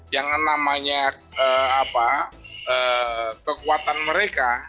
yang namanya kekuatan mereka